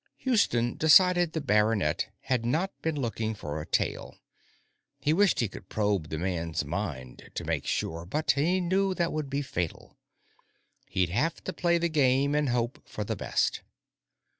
Houston decided the baronet had not been looking for a tail; he wished he could probe the man's mind to make sure, but he knew that would be fatal. He'd have to play the game and hope for the best.